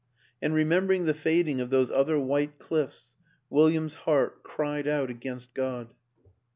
And remembering the fading of those other white cliffs, William's heart cried out against God.